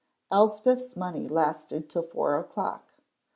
Elspeth's money lasted till four o'clock.